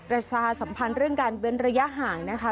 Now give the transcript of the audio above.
ประชาสัมพันธ์เรื่องการเว้นระยะห่างนะคะ